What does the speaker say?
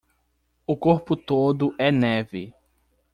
O corpo todo é neve